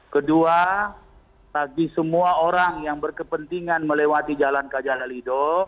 kedua bagi semua orang yang berkepentingan melewati jalan kajah halido